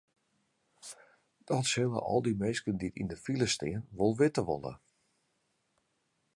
Dat sille al dy minsken dy't yn de file stean wol witte wolle.